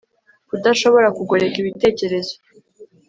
Kudashobora kugoreka ibitekerezo